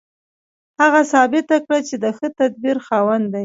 هغه ثابته کړه چې د ښه تدبیر خاوند دی